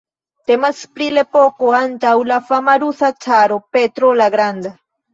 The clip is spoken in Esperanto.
Temas pri la epoko antaŭ la fama rusa caro Petro la Granda.